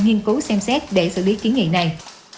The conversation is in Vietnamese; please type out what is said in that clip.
nghiên cứu xem xét để xử lý kiến nghị này